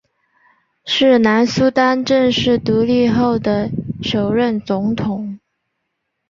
是南苏丹正式独立后的首任总统。